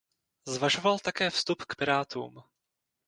Zvažoval také vstup k Pirátům.